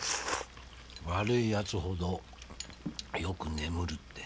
「悪い奴ほどよく眠る」って。